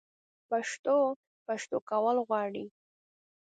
پښتو؛ پښتو کول غواړي